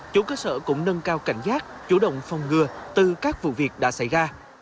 chủ cơ sở cũng nâng cao cảnh giác chủ động phòng ngừa từ các vụ việc đã xảy ra